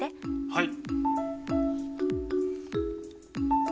はい。